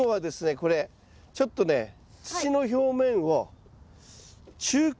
これちょっとね土の表面を中耕。